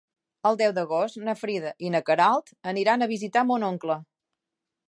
El deu d'agost na Frida i na Queralt aniran a visitar mon oncle.